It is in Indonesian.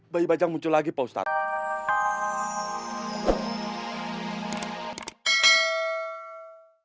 bayi bajang muncul lagi pak ustadz